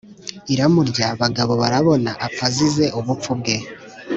iramurya! Bagabobarabona apfa azize ubupfu bwe